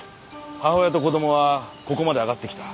母親と子供はここまで上がってきた。